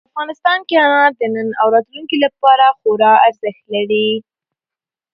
افغانستان کې انار د نن او راتلونکي لپاره خورا ارزښت لري.